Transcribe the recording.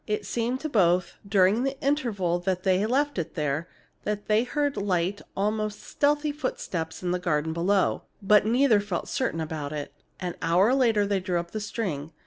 It seemed to both, during the interval they left it there, that they heard light, almost stealthy footsteps in the garden below. But neither felt certain about it. An hour later they drew up the string.